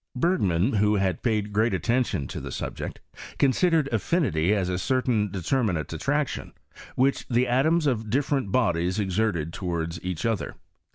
Bergman, who had paid great attention to the subject, considered affinity as a certain determinate attraction, which the atoms of different bodies ex erted towards each other.